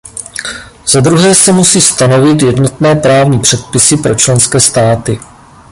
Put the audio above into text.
Zadruhé se musí stanovit jednotné právní předpisy pro členské státy.